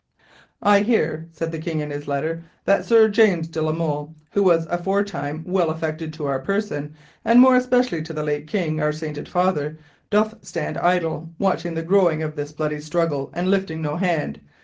"'I hear,' said the King in his letter, 'that Sir James de la Molle, who was aforetyme well affected to our person and more especially to the late King, our sainted father, doth stand idle, watching the growing of this bloody struggle and lifting no hand.